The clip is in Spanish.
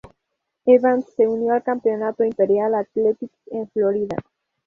Evans se unió al campamento Imperial Athletics en Florida.